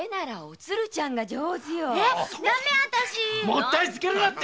もったいつけるなって。